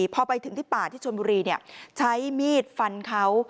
พอไปถึงที่ป่าที่ชนบุรีใช้มีดฟันเขา